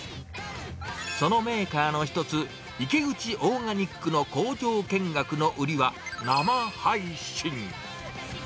そのメーカーの一つ、イケウチオーガニックの工場見学の売りは、生配信。